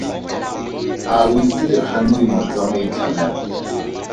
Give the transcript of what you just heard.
A o itse dikgang dingwe tsa maitlhamelo?